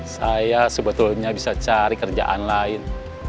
saya sebetulnya bisa cari kerjaan lain